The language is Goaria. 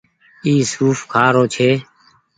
اي سوڦ کآ رو ڇي۔